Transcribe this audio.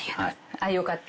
ああ良かった。